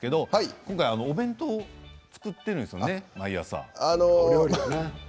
今回お弁当を作っているんですよね、毎朝。